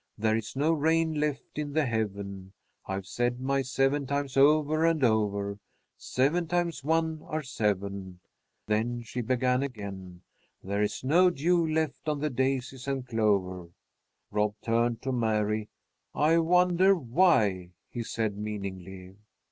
There is no rain left in the heaven. I've said my seven times over and over Seven times one are seven.'" Then she began again, "'There is no dew left on the daisies and clover '" Rob turned to Mary. "I wonder why," he said, meaningly.